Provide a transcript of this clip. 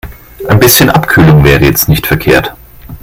Ein bisschen Abkühlung wäre jetzt nicht verkehrt.